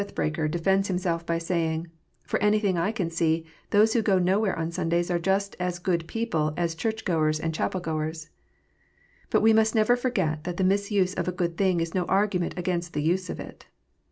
281 breaker defends himself by saying, " For anything I can see, those who go nowhere on Sundays are just as good people as church goers and chapel goers." But we must never forget that the misuse of a good thing is no argument against the use of it.